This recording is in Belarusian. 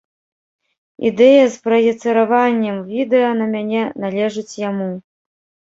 Ідэя з праецыраваннем відэа на мяне належыць яму.